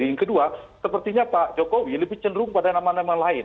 yang kedua sepertinya pak jokowi lebih cenderung pada nama nama lain